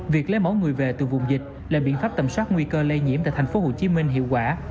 việc lấy mẫu người về từ vùng dịch là biện pháp tầm soát nguy cơ lây nhiễm tại thành phố hồ chí minh hiệu quả